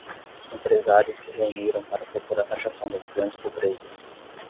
Empresários se reuniram para propor a taxação das grandes pobrezas